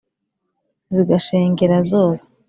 Zigashengera zose,